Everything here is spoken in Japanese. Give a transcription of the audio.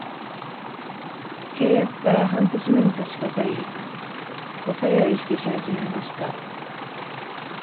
契約から半年目に差しかかり、別れを意識し始めました。